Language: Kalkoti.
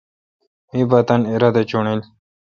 می پ تانی ارادا چݨیل۔